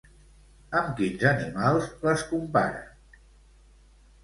Amb quins animals les compara?